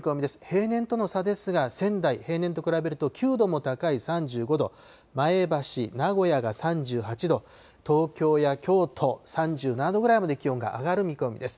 平年との差ですが、仙台、平年と比べると９度も高い３５度、前橋、名古屋が３８度、東京や京都３７度ぐらいまで気温が上がる見込みです。